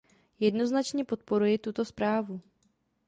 Jednoznačně podporuji tuto zprávu.